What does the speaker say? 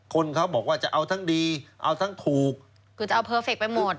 คนเขาบอกว่าจะเอาทั้งดีเอาทั้งถูกคือจะเอาเพอร์เฟคไปหมด